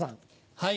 はい。